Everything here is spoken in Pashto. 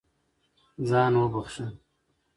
قلم د خلکو د ارمانونو لیکونکی دی